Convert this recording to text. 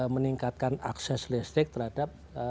meningkatkan akses listrik terhadap